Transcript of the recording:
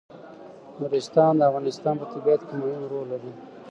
نورستان د افغانستان په طبیعت کې مهم رول لري.